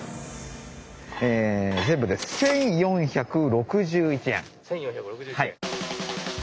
全部で１，４６１円。